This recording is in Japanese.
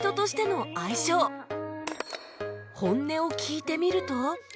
本音を聞いてみると